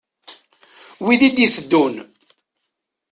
Wid i d-iteddun.